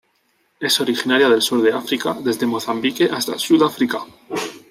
Es originaria del sur de África desde Mozambique hasta Sudáfrica.